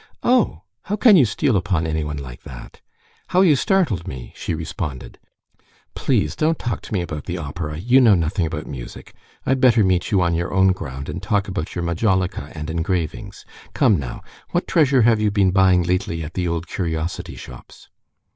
"Oh, how can you steal upon anyone like that! How you startled me!" she responded. "Please don't talk to me about the opera; you know nothing about music. I'd better meet you on your own ground, and talk about your majolica and engravings. Come now, what treasure have you been buying lately at the old curiosity shops?"